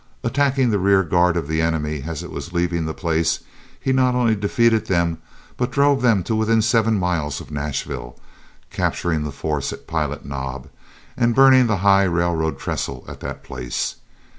Attacking the rear guard of the enemy as it was leaving the place, he not only defeated them, but drove them to within seven miles of Nashville, capturing the force at Pilot Knob, and burning the high railroad trestle at that place.